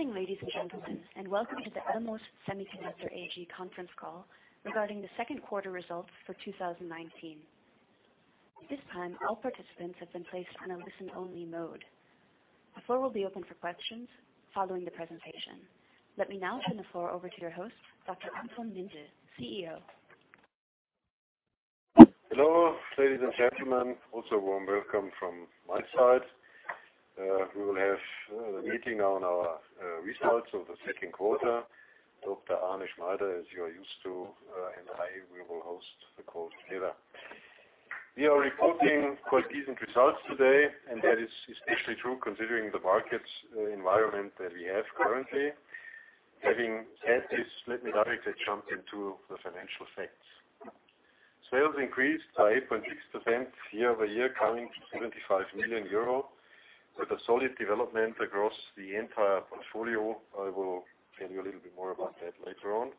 Good morning, ladies and gentlemen, and welcome to the Elmos Semiconductor SE conference call regarding the second quarter results for 2019. At this time, all participants have been placed on a listen-only mode. The floor will be open for questions following the presentation. Let me now turn the floor over to your host, Dr. Anton Mindl, CEO. Hello, ladies and gentlemen. Warm welcome from my side. We will have a meeting on our results of the second quarter. Dr. Arne Schneider, as you are used to, and I, we will host the call together. We are reporting quite decent results today, and that is especially true considering the market environment that we have currently. Having said this, let me directly jump into the financial facts. Sales increased by 8.6% year-over-year, coming to 75 million euro with a solid development across the entire portfolio. I will tell you a little bit more about that later on.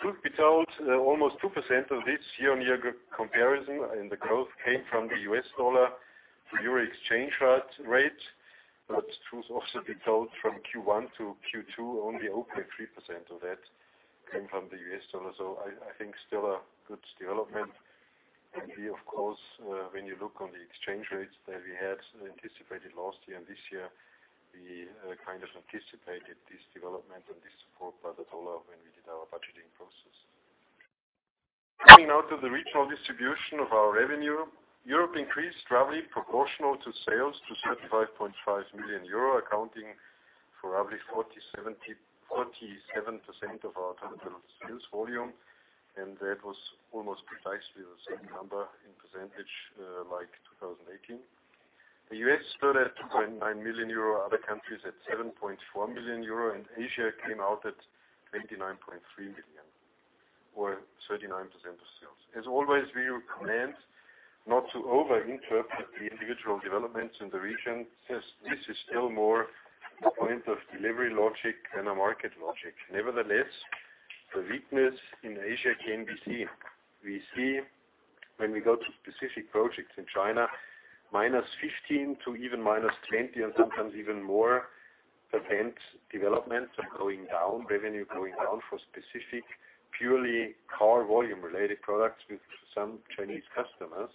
Truth be told, almost 2% of this year-on-year comparison in the growth came from the US dollar to euro exchange rate. Truth also be told from Q1 to Q2, only 0.3% of that came from the US dollar. I think still a good development. We, of course, when you look on the exchange rates that we had anticipated last year and this year, we kind of anticipated this development and this support by the U.S. dollar when we did our budgeting process. Coming now to the regional distribution of our revenue. Europe increased roughly proportional to sales to 35.5 million euro, accounting for roughly 47% of our total sales volume. That was almost precisely the same number in percentage, like 2018. The U.S. stood at 2.9 million euro, other countries at 7.4 million euro. Asia came out at 29.3 million or 39% of sales. As always, we recommend not to over-interpret the individual developments in the region, since this is still more a point of delivery logic than a market logic. Nevertheless, the weakness in Asia can be seen. We see when we go to specific projects in China, -15% to even -20% and sometimes even more % developments are going down, revenue going down for specific purely car volume-related products with some Chinese customers.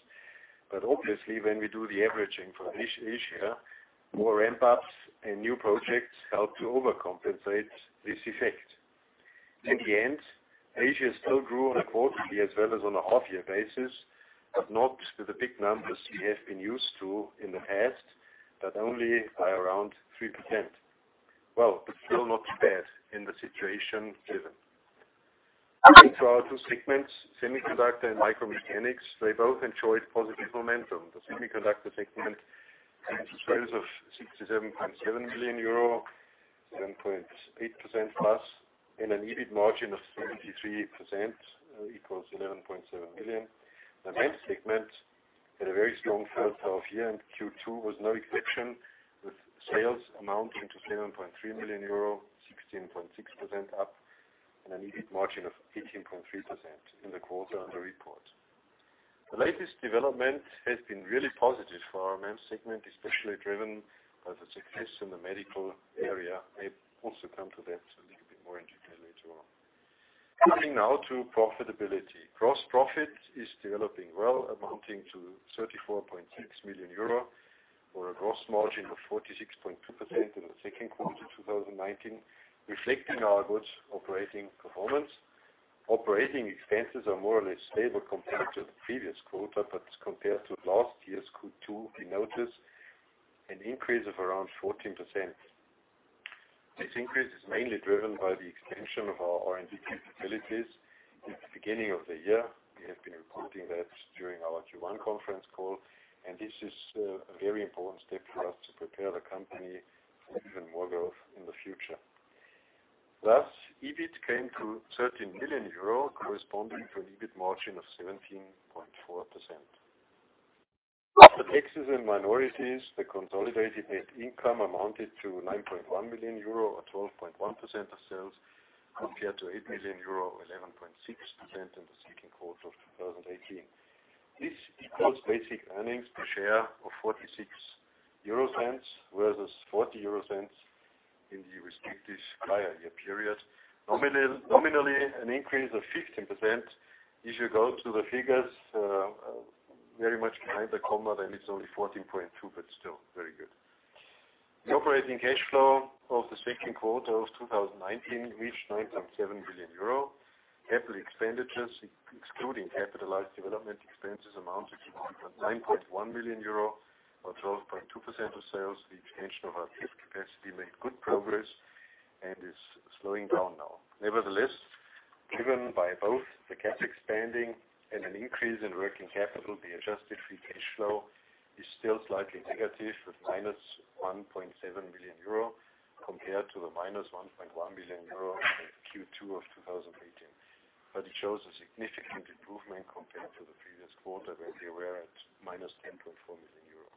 Obviously, when we do the averaging for Asia, more ramp-ups and new projects help to overcompensate this effect. In the end, Asia still grew on a quarterly as well as on a half-year basis. Not with the big numbers we have been used to in the past, only by around 3%. Still not bad in the situation given. Coming to our two segments, semiconductor and micro mechanics, they both enjoyed positive momentum. The semiconductor segment came to sales of €67.7 million, +7.8%, and an EBIT margin of 73%, equals 11.7 million. The MEMS segment had a very strong first half year, and Q2 was no exception, with sales amounting to 7.3 million euro, 16.6% up, and an EBIT margin of 18.3% in the quarter under report. The latest development has been really positive for our MEMS segment, especially driven by the success in the medical area. I also come to that a little bit more in detail later on. Coming now to profitability. Gross profit is developing well, amounting to 34.6 million euro or a gross margin of 46.2% in the second quarter 2019, reflecting our good operating performance. Operating expenses are more or less stable compared to the previous quarter, compared to last year's Q2, we notice an increase of around 14%. This increase is mainly driven by the extension of our R&D capabilities since the beginning of the year. We have been reporting that during our Q1 conference call, and this is a very important step for us to prepare the company for even more growth in the future. Thus, EBIT came to 13 million euro, corresponding to an EBIT margin of 17.4%. After taxes and minorities, the consolidated net income amounted to 9.1 million euro or 12.1% of sales, compared to 8 million euro or 11.6% in the second quarter of 2018. This equals basic earnings per share of 0.46 versus 0.40 in the respective prior year period. Nominally, an increase of 15%. If you go to the figures, very much behind the comma, then it's only 14.2%, but still very good. The operating cash flow of the second quarter of 2019 reached 9.7 million euro. Capital expenditures, excluding capitalized development expenses, amounted to 9.1 million euro or 12.2% of sales. The expansion of our chip capacity made good progress and is slowing down now. Nevertheless, driven by both the CapEx expanding and an increase in working capital, the adjusted free cash flow is still slightly negative with minus 1.7 million euro compared to the minus 1.1 million euro in Q2 2018. It shows a significant improvement compared to the previous quarter, where we were at minus 10.4 million euro.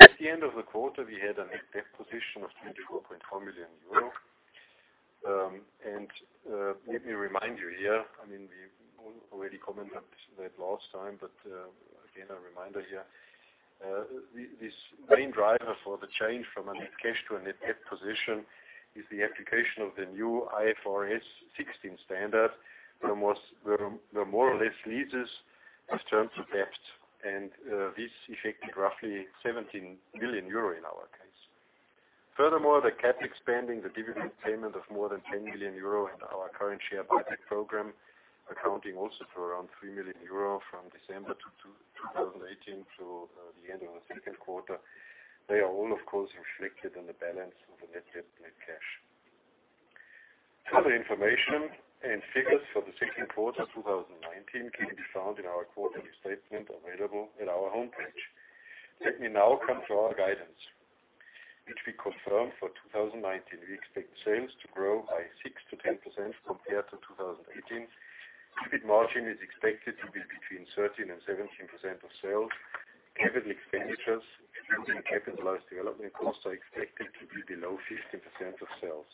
At the end of the quarter, we had a net debt position of 24.4 million euro. Let me remind you here, we already commented that last time, but again, a reminder here. This main driver for the change from a net cash to a net debt position is the application of the new IFRS 16 standard, where more or less leases have turned to debt, and this affected roughly 17 million euro in our case. Furthermore, the CapEx expanding the dividend payment of more than 10 million euro in our current share buyback program, accounting also for around 3 million euro from December 2018 to the end of the second quarter. They are all, of course, reflected in the balance of the net debt/net cash. Other information and figures for the second quarter 2019 can be found in our quarterly statement available at our homepage. Let me now come to our guidance, which we confirm for 2019. We expect sales to grow by 6%-10% compared to 2018. EBIT margin is expected to be between 13% and 17% of sales. CapEx expenditures, including capitalized development costs, are expected to be below 15% of sales.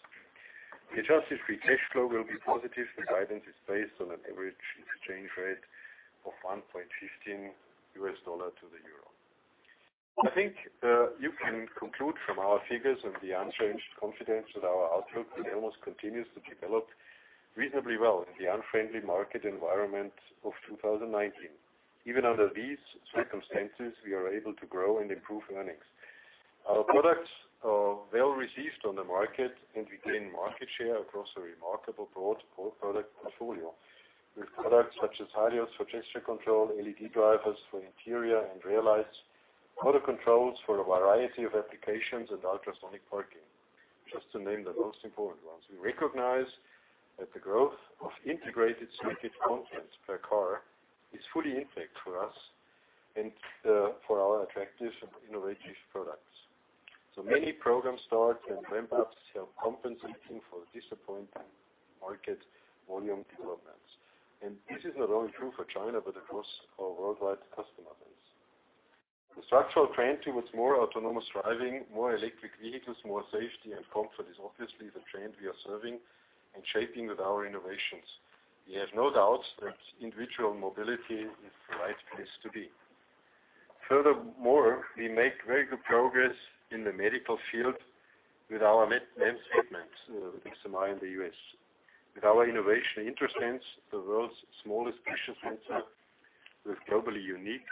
The adjusted free cash flow will be positive. The guidance is based on an average exchange rate of $1.15 to the euro. I think you can conclude from our figures and the unchanged confidence that our outlook at Elmos continues to develop reasonably well in the unfriendly market environment of 2019. Even under these circumstances, we are able to grow and improve earnings. Our products are well received on the market, and we gain market share across a remarkable broad product portfolio with products such as HALIOS for gesture control, LED drivers for interior and rear lights, motor controls for a variety of applications, and ultrasonic parking, just to name the most important ones. We recognize that the growth of integrated circuit content per car is fully in effect for us and for our attractive and innovative products. Many programs start and ramp up to help compensating for disappointing market volume developments. This is not only true for China, but across our worldwide customer base. The structural trend towards more autonomous driving, more electric vehicles, more safety and comfort is obviously the trend we are serving and shaping with our innovations. We have no doubts that individual mobility is the right place to be. Furthermore, we make very good progress in the medical field with our med segment, SMI in the U.S. With our innovation, IntraSense, the world's smallest pressure sensor with globally unique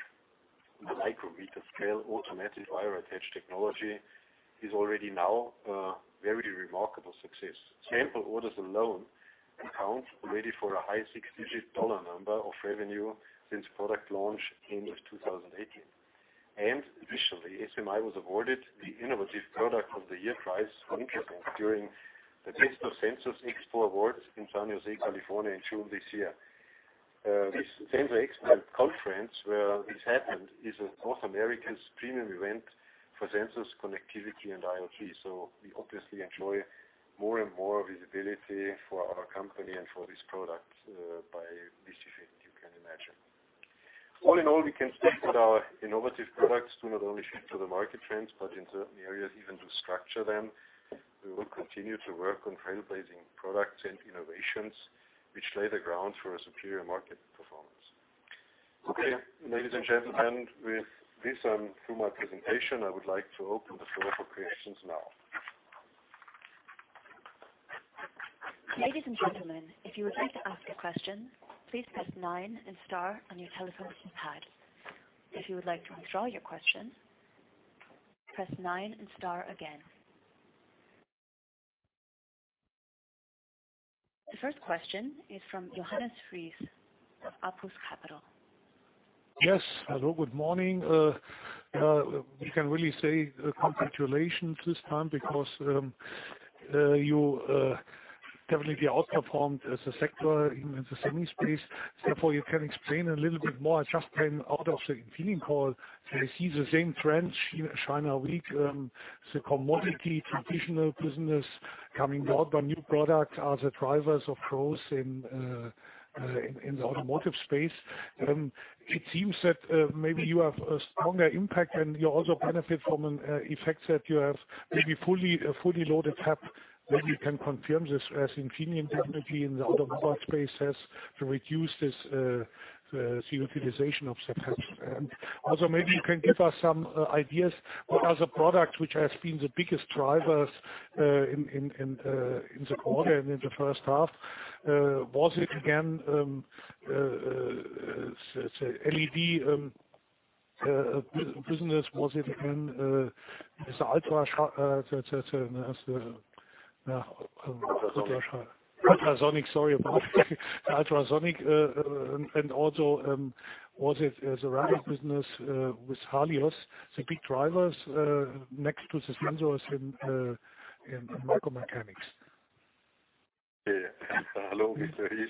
micrometer scale automatic wire attach technology, is already now a very remarkable success. Sample orders alone account already for a high six-digit dollar number of revenue since product launch end of 2018. Additionally, SMI was awarded the Innovative Product of the Year prize on December during the Best of Sensors Awards in San Jose, California in June this year. This Sensors Expo & Conference where this happened is a North American premium event for sensors, connectivity, and IoT. We obviously enjoy more and visibility for our company and for this product by this effect, you can imagine. All in all, we can state that our innovative products do not only fit to the market trends, but in certain areas even to structure them. We will continue to work on trailblazing products and innovations which lay the ground for a superior market performance. Okay, ladies and gentlemen, and with this, I'm through my presentation. I would like to open the floor for questions now. Ladies and gentlemen, if you would like to ask a question, please press nine and star on your telephone pad. If you would like to withdraw your question, press nine and star again. The first question is from Johannes Ries, Apus Capital. Yes. Hello, good morning. We can really say congratulations this time because you definitely outperformed as a sector in the semi space. If you can explain a little bit more, just came out of the Infineon call, I see the same trends. China weak, the commodity traditional business coming down, new products are the drivers, of course, in the automotive space. It seems that maybe you have a stronger impact and you also benefit from an effect that you have maybe a fully loaded cap. Maybe you can confirm this as Infineon Technologies in the automotive space has reduced this utilization of such caps. Also, maybe you can give us some ideas what are the products which has been the biggest drivers in the quarter and in the first half. Was it again LED business? Was it again the ultrasonic, sorry about it. Ultrasonic, and also was it the radar business with HALIOS, the big drivers next to the sensors in Micromechanics? Hello, Mr. Ries.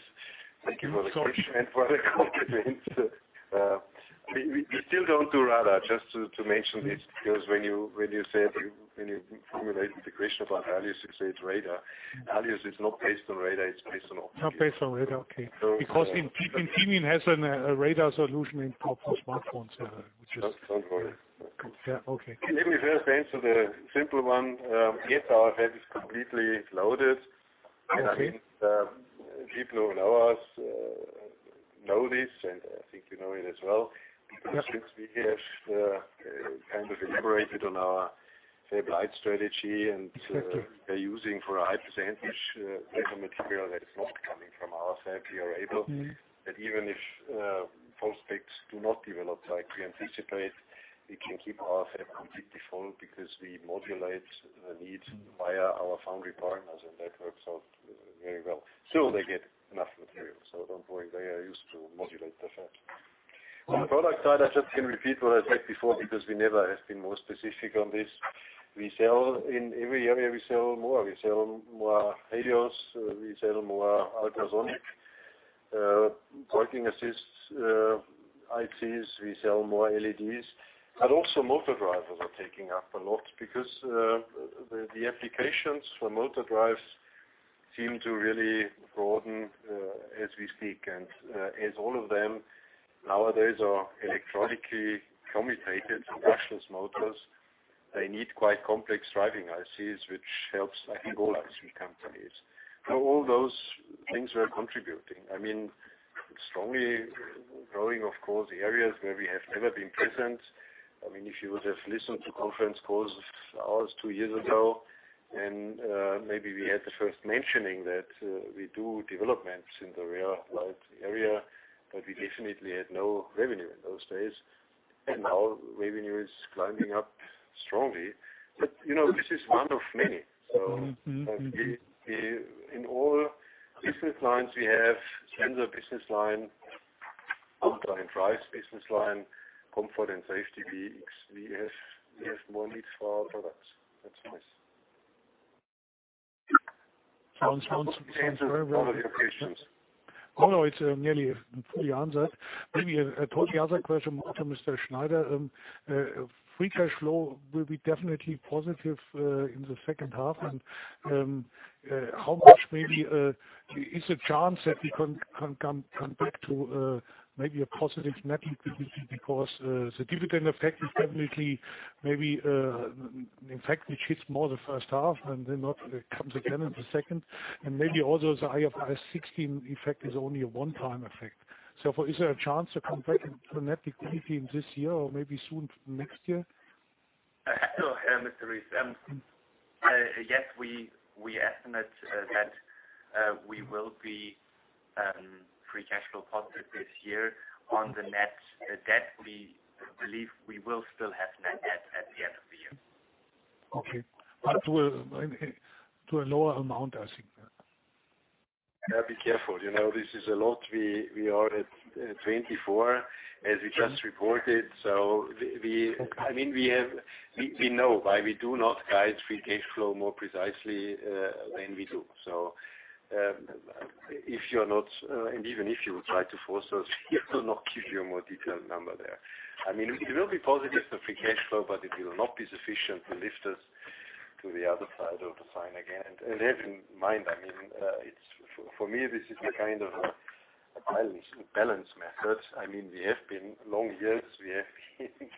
Thank you for the question and for the compliments. We still don't do radar, just to mention this, because when you formulated the question about HALIOS, you said radar. HALIOS is not based on radar, it's based on optics. Not based on radar, okay. Infineon has a radar solution in top of smartphones. Don't worry. Yeah. Okay. Let me first answer the simple one. Yes, our CapEx is completely loaded. Okay. People who know us. You know this, and I think you know it as well. Yes. Since we have kind of elaborated on our fab-lite strategy. Thank you. are using for a high percentage wafer material that is not coming from our fab, we are able, that even if prospects do not develop like we anticipate, we can keep our fab completely full because we modulate the need via our foundry partners, and that works out very well. They get enough material. Don't worry, they are used to modulate the fab. On the product side, I just can repeat what I said before because we never have been more specific on this. In every area, we sell more. We sell more ADAS, we sell more ultrasonic, parking assists, ICs, we sell more LEDs. Also motor drivers are taking up a lot because the applications for motor drives seem to really broaden as we speak. As all of them nowadays are electronically commutated brushless motors, they need quite complex driving ICs, which helps, I think, all us companies. All those things were contributing. Strongly growing, of course, the areas where we have never been present. If you would have listened to conference calls of ours two years ago, and maybe we had the first mentioning that we do developments in the rear light area, but we definitely had no revenue in those days. Now revenue is climbing up strongly. This is one of many. In all business lines we have, sensor business line, power and drives business line, comfort and safety, we have more needs for our products. That's nice. Hans, very well. All applications. Oh, no, it's nearly fully answered. Maybe I pose the other question also, Mr. Schneider. Free cash flow will be definitely positive in the second half and how much maybe is a chance that we can come back to maybe a positive net liquidity, because the dividend effect is definitely maybe an effect which hits more the first half and then not comes again in the second. Maybe also the IFRS 16 effect is only a one-time effect. Is there a chance to come back into net liquidity in this year or maybe soon next year? Hello, Mr. Ries. Yes, we estimate that we will be free cash flow positive this year. On the net debt, we believe we will still have net debt at the end of the year. Okay. To a lower amount, I think. Be careful. This is a lot. We are at 24%, as we just reported. Okay. We know why we do not guide free cash flow more precisely than we do. Even if you would try to force us, we will not give you a more detailed number there. It will be positive for free cash flow, but it will not be sufficient to lift us to the other side of the sign again. Have in mind, for me, this is a kind of a balance method. We have been long years, we have been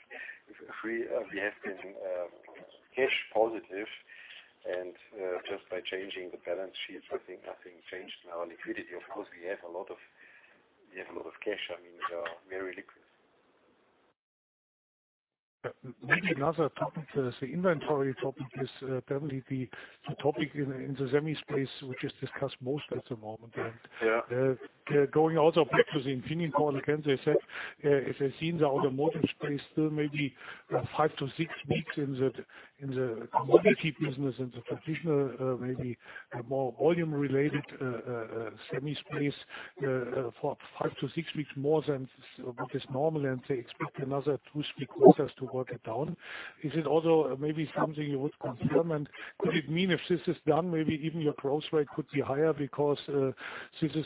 cash positive, and just by changing the balance sheets, I think nothing changed in our liquidity. Of course, we have a lot of cash. We are very liquid. Maybe another topic, the inventory topic is definitely the topic in the semi space, which is discussed most at the moment. Yeah. Going also back to the Infineon call, again, they said, as I seen the automotive space still may be five to six weeks in the multi business, in the traditional maybe more volume-related semi space for five to six weeks more than what is normal, and they expect another two-week process to work it down. Is it also maybe something you would confirm? Could it mean if this is done, maybe even your growth rate could be higher because this is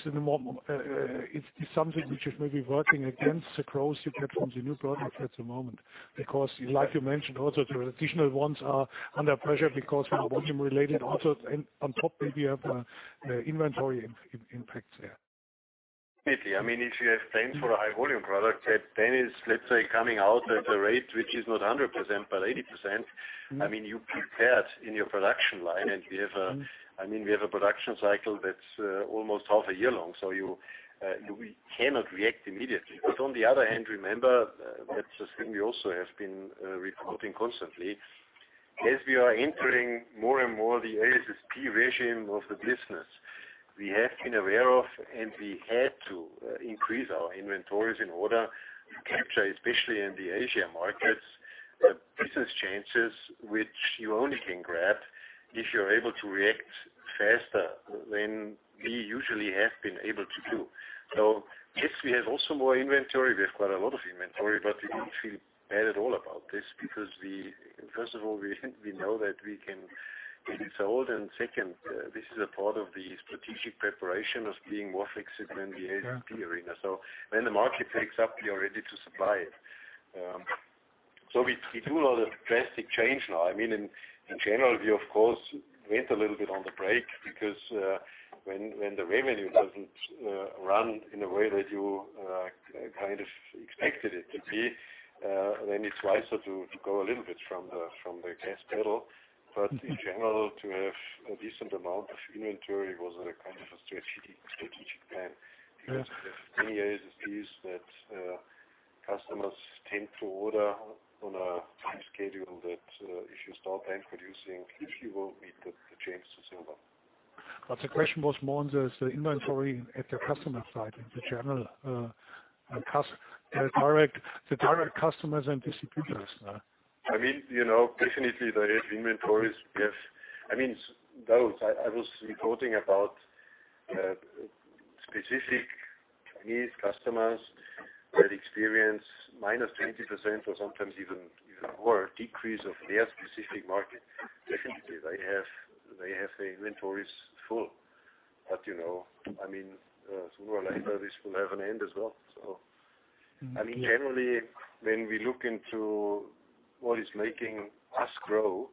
something which is maybe working against the growth you get from the new products at the moment? Like you mentioned, also the traditional ones are under pressure because for the volume-related also, and on top, maybe you have the inventory impact there. Maybe. If you have planned for a high volume product that then is, let's say, coming out at a rate which is not 100% but 80%, you prepared in your production line. We have a production cycle that's almost half a year long. We cannot react immediately. On the other hand, remember that we also have been reporting constantly. As we are entering more and more the ASSP regime of the business, we have been aware of, and we had to increase our inventories in order to capture, especially in the Asia markets, business chances which you only can grab if you're able to react faster than we usually have been able to do. Yes, we have also more inventory. We have quite a lot of inventory, but we don't feel bad at all about this because, first of all, we know that we can get it sold, and second, this is a part of the strategic preparation of being more flexible in the ASSP arena. When the market picks up, we are ready to supply it. We do not have drastic change now. In general, we, of course, wait a little bit on the break because when the revenue doesn't run in a way that you kind of expected it to be then it's wiser to go a little bit from the gas pedal. In general, to have a decent amount of inventory was a kind of a strategic plan. Yes. Because we have many ASSPs that customers tend to order on a time schedule that, if you start producing, usually will meet the change to Silva. The question was more on the inventory at the customer side, in the general, the direct customers and distributors. Definitely there is inventories. I was reporting about specific Chinese customers that experience minus 20% or sometimes even more decrease of their specific market. Definitely, they have the inventories full. Sooner or later, this will have an end as well. Generally, when we look into what is making us grow,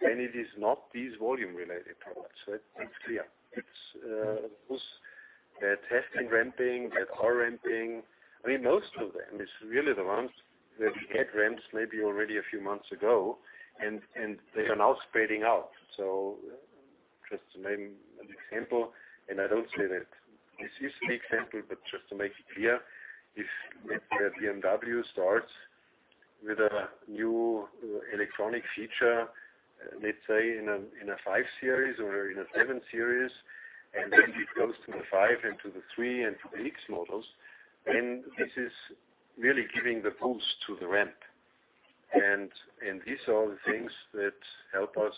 then it is not these volume related products. That's clear. It's those that are testing ramping, that are ramping. Most of them is really the ones that had ramps maybe already a few months ago, and they are now spreading out. Just to name an example, and I don't say that this is the example, but just to make it clear. If BMW starts with a new electronic feature, let's say in a 5 Series or in a 7 Series, and then it goes to the 5 into the 3 and to the X models, then this is really giving the boost to the ramp. These are the things that help us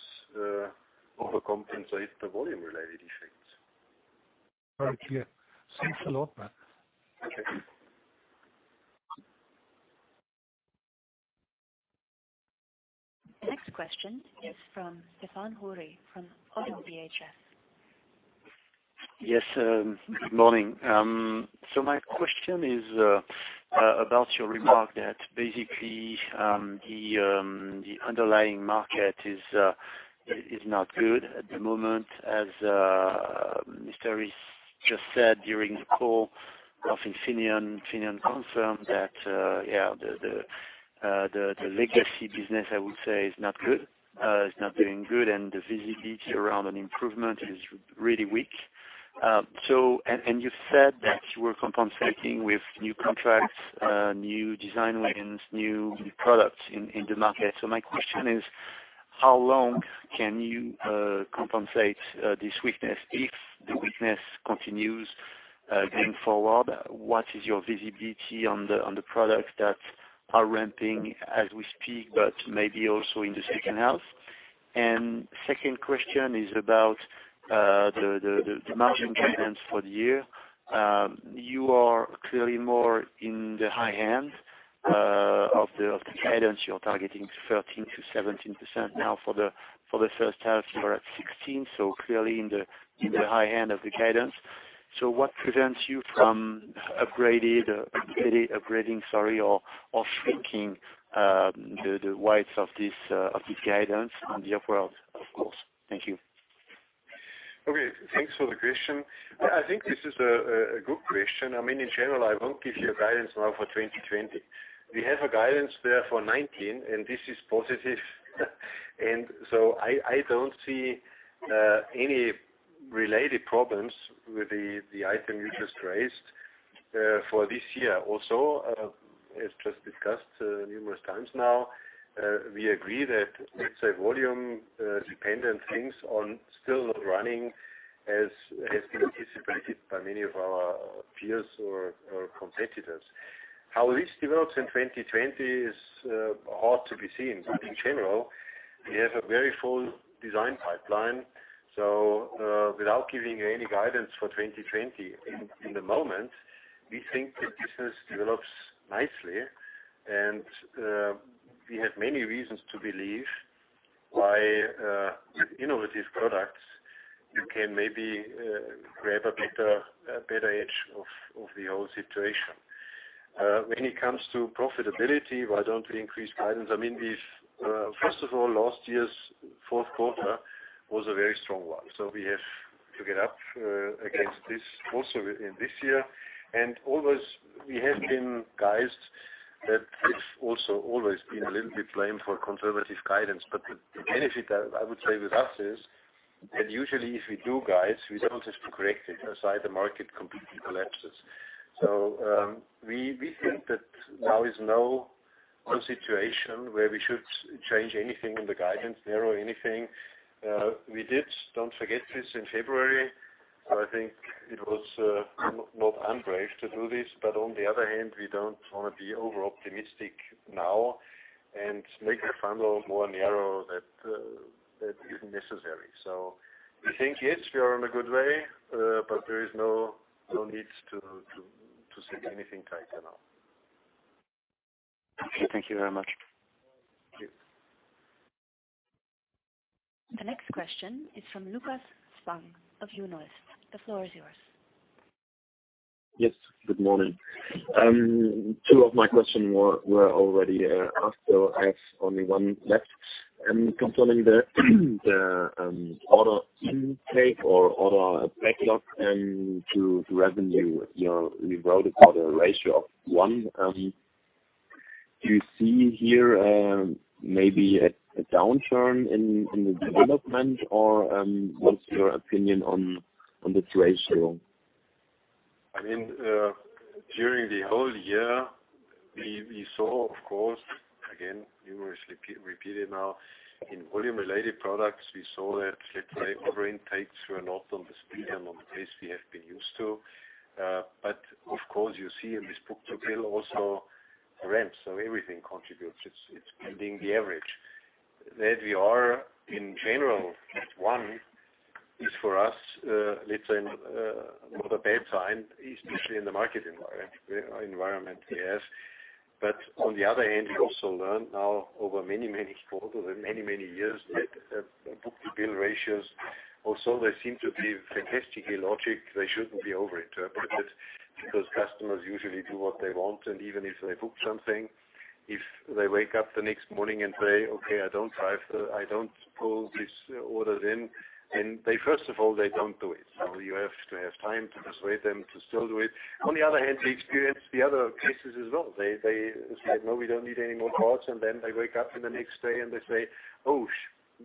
overcompensate the volume related effects. All right. Yeah. Thanks a lot, Matt. Okay. The next question is from Stéphane Houri from ODDO BHF. Yes. Good morning. My question is about your remark that basically, the underlying market is not good at the moment as Mr. Ries just said during the call of Infineon. Infineon confirmed that the legacy business, I would say, is not doing good, and the visibility around an improvement is really weak. You said that you were compensating with new contracts, new design wins, new products in the market. My question is, how long can you compensate this weakness if the weakness continues going forward? What is your visibility on the products that are ramping as we speak, but maybe also in the second half? Second question is about the margin guidance for the year. You are clearly more in the high end of the guidance. You are targeting 13%-17%. For the first half, you are at 16, clearly in the high end of the guidance. What prevents you from upgrading or shrinking the width of this guidance on the upward, of course? Thank you. Okay. Thanks for the question. I think this is a good question. In general, I won't give you a guidance now for 2020. We have a guidance there for 2019, and this is positive. I don't see any related problems with the item you just raised for this year. Also, as just discussed numerous times now, we agree that let's say volume dependent things are still running as has been anticipated by many of our peers or competitors. How this develops in 2020 is hard to be seen. In general, we have a very full design pipeline. Without giving any guidance for 2020 in the moment, we think the business develops nicely, and we have many reasons to believe why with innovative products, you can maybe grab a better edge of the whole situation. When it comes to profitability, why don't we increase guidance? First of all, last year's fourth quarter was a very strong one, so we have to get up against this also in this year. Always we have been guides that have also always been a little bit blamed for conservative guidance. The benefit, I would say, with us is that usually if we do guides, we don't have to correct it, aside the market completely collapses. We think that now is no situation where we should change anything in the guidance there or anything. We did, don't forget this, in February. I think it was not unbrave to do this. On the other hand, we don't want to be over-optimistic now and make the funnel more narrow than is necessary. We think, yes, we are on a good way. There is no need to set anything tight now. Okay. Thank you very much. Thank you. The next question is from Lukas Spang of Junolyst. The floor is yours. Yes. Good morning. Two of my questions were already asked, so I have only one left. Concerning the order intake or order backlog and to revenue, you wrote about a ratio of one. Do you see here maybe a downturn in the development, or what's your opinion on the ratio? During the whole year, we saw, of course, again, numerous repeated now in volume-related products, we saw that let's say order intakes were not on the speed and on the pace we have been used to. Of course, you see in this book-to-bill also a ramp, everything contributes. It's pending the average. That we are in general at one is for us, let's say, not a bad sign, especially in the market environment we are in. On the other hand, we also learned now over many, many quarters and many, many years that book-to-bill ratios, although they seem to be fantastically logic, they shouldn't be over-interpreted because customers usually do what they want. Even if they book something, if they wake up the next morning and say, "Okay, I don't pull this order then." They first of all, they don't do it. You have to have time to persuade them to still do it. On the other hand, we experience the other cases as well. They say, "No, we don't need any more parts," and then they wake up in the next day and they say, "Oh, sh."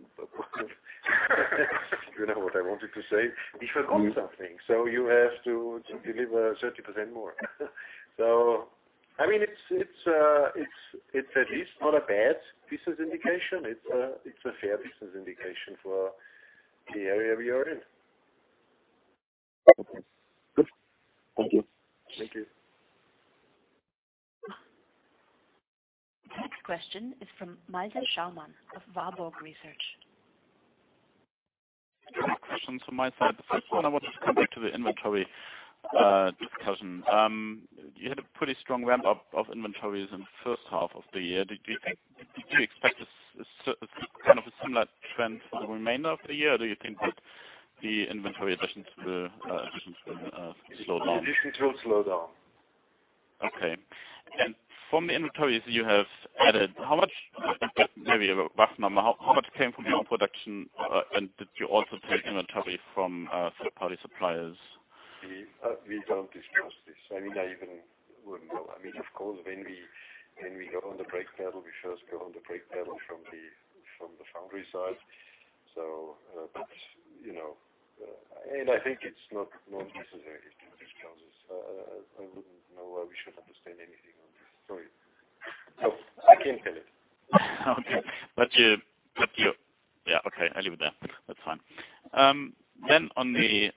You know what I wanted to say. We forgot something. You have to deliver 30% more. It's at least not a bad business indication. It's a fair business indication for the area we are in. Okay. Good. Thank you. Thank you. Next question is from Malte Schaumann of Warburg Research. Two questions from my side. The first one, I wanted to come back to the inventory discussion. You had a pretty strong ramp-up of inventories in the first half of the year. Do you expect a kind of a similar trend for the remainder of the year, or do you think that the inventory additions will slow down? The additions will slow down. Okay. From the inventories you have added, how much, maybe a rough number, how much came from your own production? Did you also take inventory from third-party suppliers? We don't discuss this. I even wouldn't know. Of course, when we go on the brake pedal, we first go on the brake pedal from the foundry side. I think it's not necessary to discuss this. I wouldn't know where we should understand anything on this story. I can't tell it. Okay. You Yeah, okay, I leave it there. That's fine. On the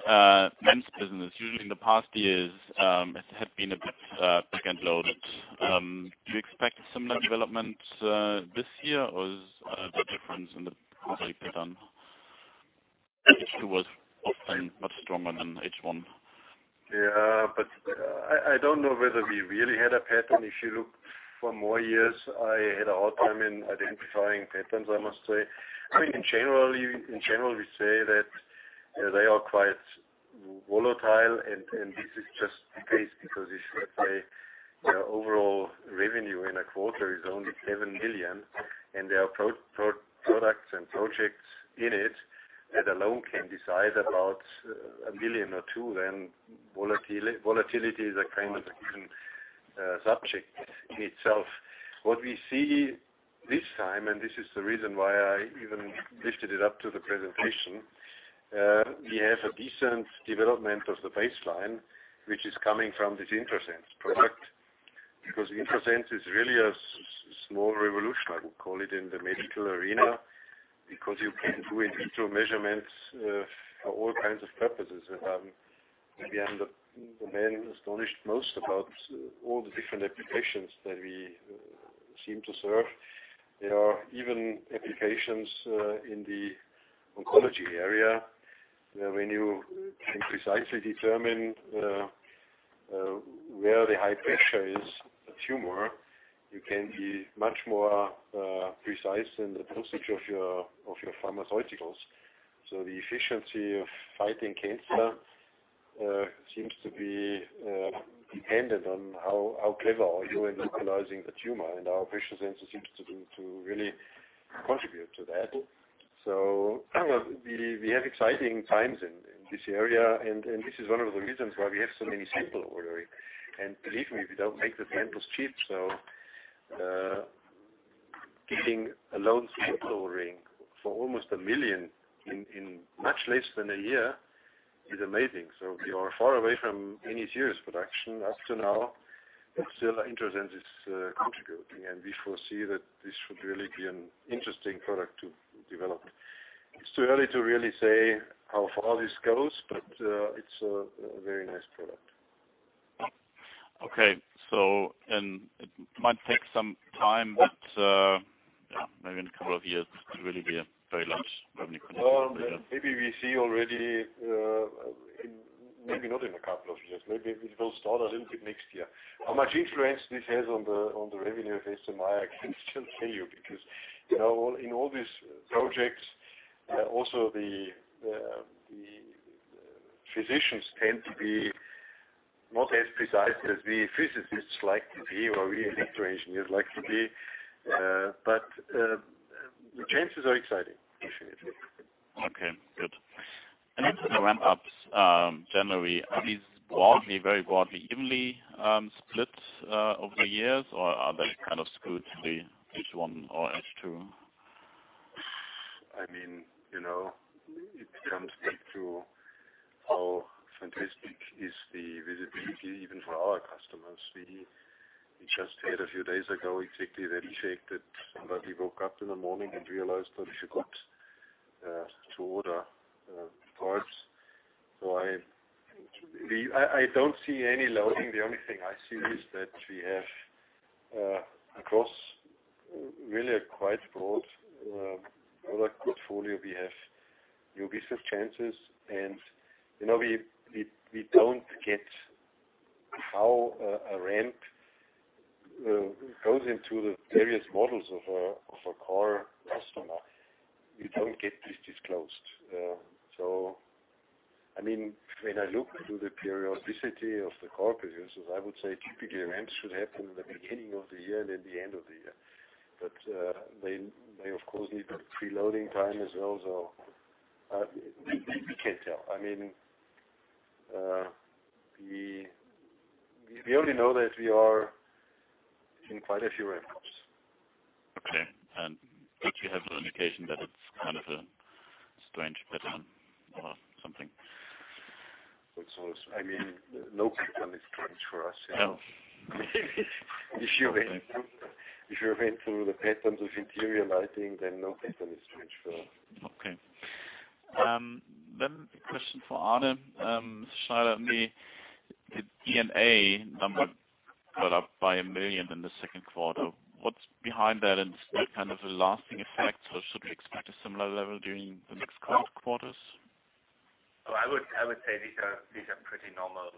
MEMS business, usually in the past years, it had been a bit back-end loaded. Do you expect a similar development this year, or is the difference in the quarterly pattern? It actually was often much stronger than H1. Yeah, I don't know whether we really had a pattern. If you look for more years, I had a hard time in identifying patterns, I must say. In general, we say that they are quite volatile, and this is just the case because if their overall revenue in a quarter is only 7 million, and there are products and projects in it that alone can decide about 1 million or 2, then volatility is a kind of a given subject itself. What we see this time, and this is the reason why I even lifted it up to the presentation, we have a decent development of the baseline, which is coming from this IntraSense product. IntraSense is really a small revolution, I would call it, in the medical arena, because you can do in vitro measurements for all kinds of purposes. We end up the men astonished most about all the different applications that we seem to serve. There are even applications in the oncology area, where when you can precisely determine where the high pressure is, a tumor, you can be much more precise in the dosage of your pharmaceuticals. The efficiency of fighting cancer seems to be dependent on how clever are you in localizing the tumor, and our pressure sensor seems to really contribute to that. We have exciting times in this area, and this is one of the reasons why we have so many sample ordering. Believe me, we don't make the samples cheap. Getting alone sample ordering for almost 1 million in much less than a year is amazing. We are far away from any serious production up to now, but still IntraSense is contributing, and we foresee that this should really be an interesting product to develop. It's too early to really say how far this goes, but it's a very nice product. Okay. It might take some time, but maybe in a couple of years, it could really be a very large revenue contributor. Maybe we see already, maybe not in a couple of years. Maybe it will start a little bit next year. How much influence this has on the revenue of SMI, I can't tell you because in all these projects, also the physicians tend to be not as precise as we physicists like to be or we electro engineers like to be. The chances are exciting, for sure. Okay, good. Into the ramp-ups, generally, are these broadly, very broadly, evenly split over the years or are they skewed to the H1 or H2? I mean, it comes back to how fantastic is the visibility even for our customers. We just had a few days ago exactly that effect, that somebody woke up in the morning and realized that we forgot to order parts. I don't see any loading. The only thing I see is that we have, across really a quite broad product portfolio, we have new business chances. We don't get how a ramp goes into the various models of a core customer. We don't get this disclosed. When I look to the periodicity of the core producers, I would say typically ramps should happen in the beginning of the year, then the end of the year. They of course need the pre-loading time as well. We can't tell. We only know that we are in quite a few ramp-ups. Okay. Don't you have the indication that it's a strange pattern or something? I mean, no pattern is strange for us. Yeah. If you went through the patterns of interior lighting, then no pattern is strange for us. A question for Arne. Sorry, the D&A number got up by 1 million in the second quarter. What's behind that and is that a lasting effect, or should we expect a similar level during the next quarters? I would say these are pretty normal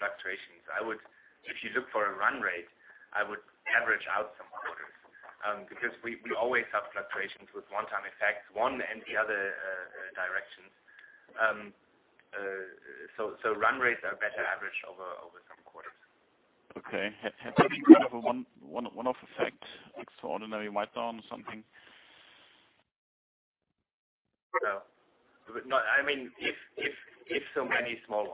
fluctuations. If you look for a run rate, I would average out some quarters. We always have fluctuations with one-time effects, one and the other directions. Run rates are better averaged over some quarters. Okay. Had any kind of a one-off effect, extraordinary write-down or something? No. I mean, if so, many small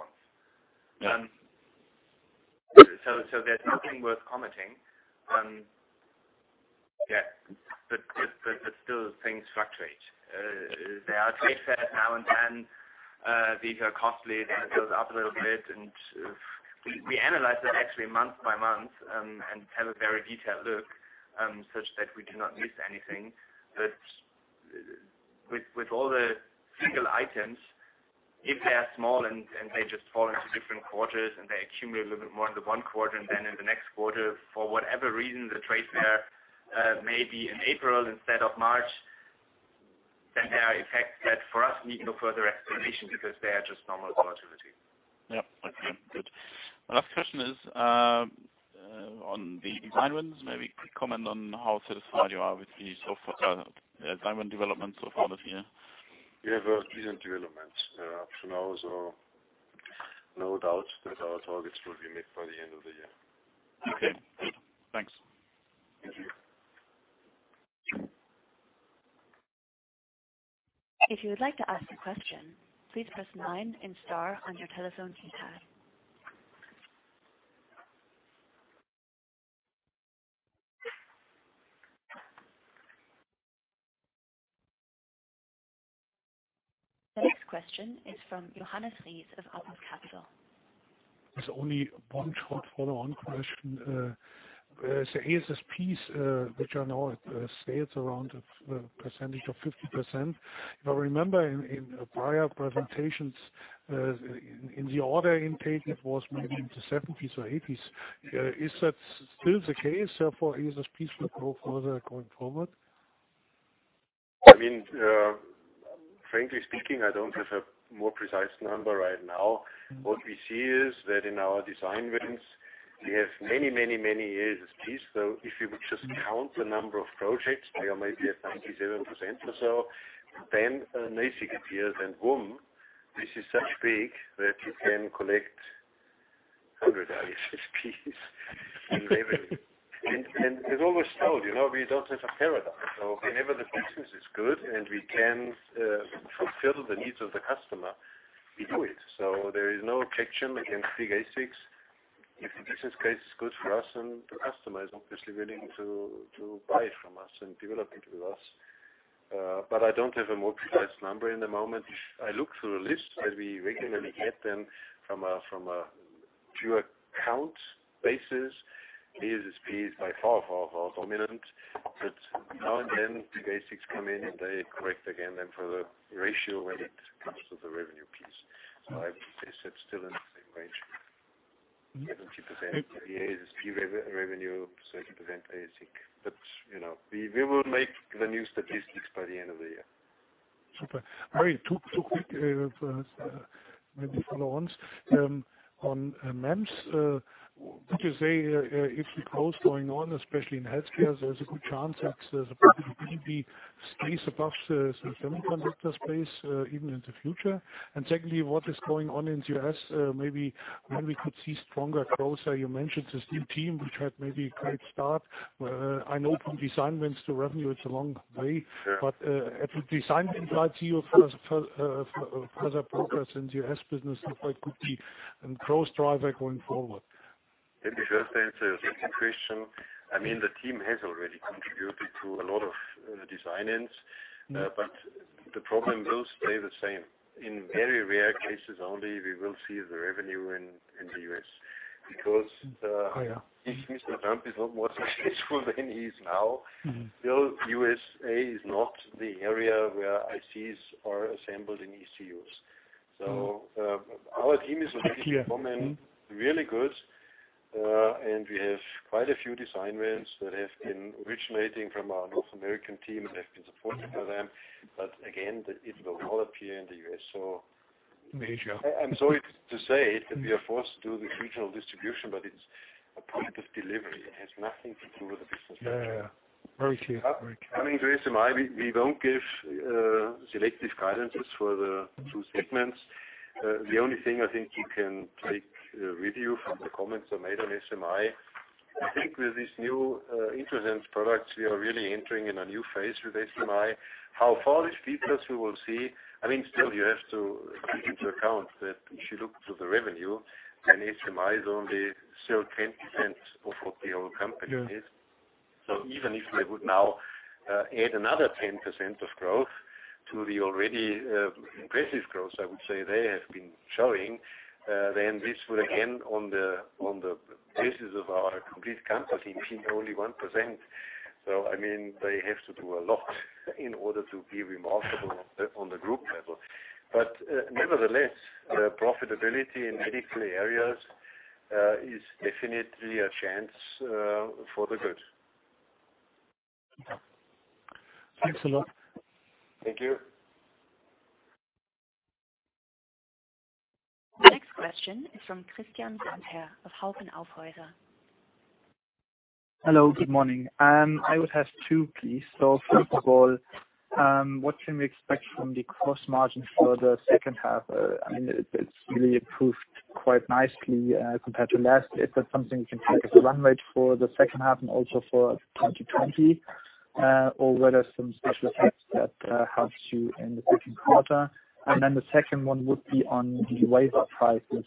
ones. Yeah. There's nothing worth commenting. Still things fluctuate. There are trade fairs now and then, these are costly, then it goes up a little bit. We analyze that actually month by month, and have a very detailed look, such that we do not miss anything. With all the single items, if they are small and they just fall into different quarters and they accumulate a little bit more into one quarter and then in the next quarter, for whatever reason, the trade fair may be in April instead of March, then there are effects that for us need no further explanation because they are just normal volatility. Okay, good. My last question is on the design wins, maybe a quick comment on how satisfied you are with the design win development so far this year. We have a pleasant development up to now, so no doubt that our targets will be met by the end of the year. Okay, thanks. Thank you. If you would like to ask a question, please press nine and star on your telephone keypad. The next question is from Johannes Ries of Apus Capital. There's only one short follow-on question. ASSPs, which I know stays around a percentage of 50%. If I remember in prior presentations, in the order intake it was maybe into the 70s or 80s. Is that still the case for ASSPs to grow further going forward? I mean, frankly speaking, I don't have a more precise number right now. What we see is that in our design wins, we have many ASSPs. If you would just count the number of projects, we are maybe at 97% or so. An ASIC appears and boom, this is such big that you can collect 100 ASSPs in level. As always told, we don't have a paradigm. Whenever the business is good and we can fulfill the needs of the customer, we do it. There is no objection against big ASICs. If the business case is good for us, and the customer is obviously willing to buy it from us and develop it with us. I don't have a more precise number in the moment. If I look through a list, as we regularly get them from a pure count basis, ASSPs by far are dominant. Now and then, big ASICs come in and they correct again. For the ratio, when it comes to the revenue piece, I would say it's still in the same range, 70% ASSP revenue, 30% ASIC. We will make the new statistics by the end of the year. Super. All right, two quick maybe follow-ons. On MEMS. Would you say, if the growth going on, especially in healthcare, there's a good chance that there's a probability space above the semiconductor space, even in the future? Secondly, what is going on in the U.S.? Maybe when we could see stronger growth. You mentioned this new team, which had maybe a great start. I know from design wins to revenue, it's a long way. Yeah. Every design win right to your first progress in U.S. business is quite good key and growth driver going forward. Let me first answer the second question. The team has already contributed to a lot of design wins. The problem will stay the same. In very rare cases only, we will see the revenue in the U.S. Oh, yeah. if Mr. Trump is not more successful than he is now, still U.S. is not the area where ICs are assembled in ECUs. Our team is making- Very clear. Mm-hmm. progress really good. We have quite a few design wins that have been originating from our North American team and have been supported by them. Again, it will not appear in the U.S. Asia. I'm sorry to say that we are forced to do the regional distribution, but it's a point of delivery. It has nothing to do with the business. Yeah. Very clear. Coming to SMI, we don't give selective guidances for the two segments. The only thing I think you can take with you from the comments I made on SMI, I think with these new IntraSense products, we are really entering in a new phase with SMI. How far it features, we will see. Still, you have to take into account that if you look to the revenue, then SMI is only still 10% of what the whole company is. Yeah. Even if they would now add another 10% of growth to the already impressive growth, I would say they have been showing, then this would again, on the basis of our complete company, be only 1%. They have to do a lot in order to be remarkable on the group level. Nevertheless, the profitability in medical areas is definitely a chance for the good. Okay. Thanks a lot. Thank you. The next question is from Christian Sante of Hauck & Aufhäuser. Hello, good morning. I would have two, please. First of all, what can we expect from the gross margin for the second half? It's really improved quite nicely compared to last. Is that something we can take as a run rate for the second half and also for 2020? Were there some special effects that helped you in the second quarter? The second one would be on the wafer prices.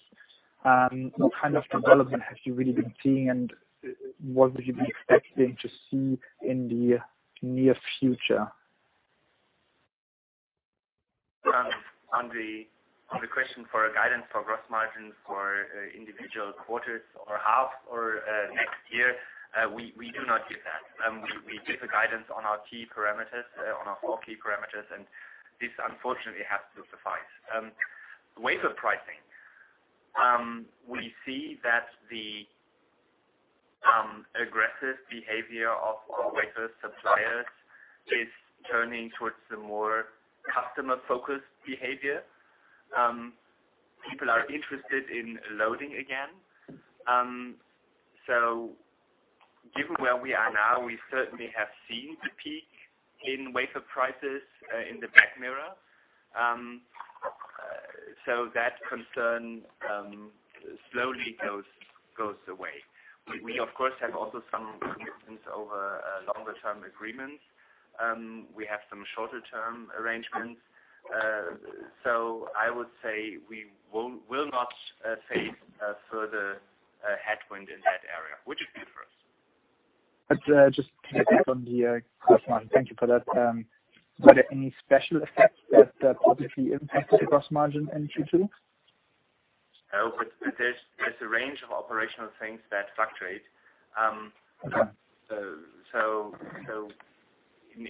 What kind of development have you really been seeing, and what would you be expecting to see in the near future? On the question for a guidance for gross margins for individual quarters or half or next year, we do not give that. We give a guidance on our four key parameters, and this unfortunately has to suffice. Wafer pricing. We see that the aggressive behavior of wafer suppliers is turning towards a more customer-focused behavior. People are interested in loading again. Given where we are now, we certainly have seen the peak in wafer prices in the back mirror. That concern slowly goes away. We, of course, have also some commitments over longer-term agreements. We have some shorter-term arrangements. I would say we will not face a further headwind in that area. Would you agree, Fritz? Just to get back on the first one. Thank you for that. Were there any special effects that positively impacted the gross margin in Q2? There's a range of operational things that fluctuate.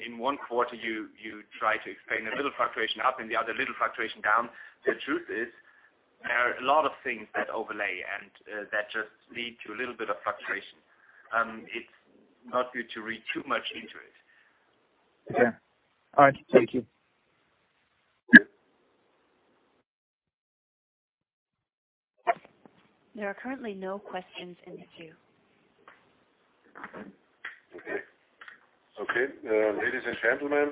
In one quarter, you try to explain a little fluctuation up, in the other, a little fluctuation down. The truth is, there are a lot of things that overlay, and that just lead to a little bit of fluctuation. It's not good to read too much into it. Okay. All right. Thank you. There are currently no questions in the queue. Okay. Ladies and gentlemen,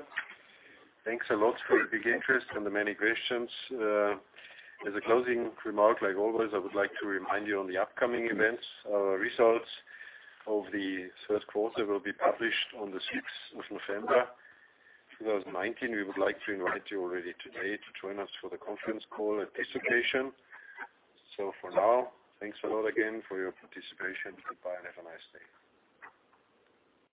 thanks a lot for the big interest and the many questions. As a closing remark, like always, I would like to remind you of the upcoming events. Our results of the first quarter will be published on the 6th of November 2019. We would like to invite you already today to join us for the conference call at this occasion. For now, thanks a lot again for your participation. Goodbye and have a nice day.